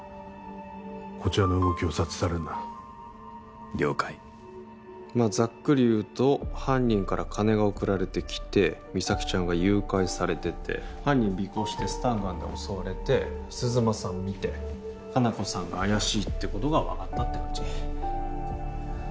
こちらの動きを察知されるな了解まっざっくり言うと犯人から金が送られてきて実咲ちゃんが誘拐されてて犯人尾行してスタンガンで襲われて鈴間さん見て香菜子さんが怪しいってことが分かったって感じ？